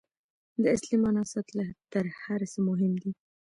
د اصلي معنا ساتل تر هر څه مهم دي.